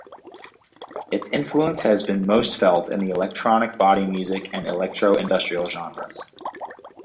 Its influence has been most felt in the electronic body music and electro-industrial genres.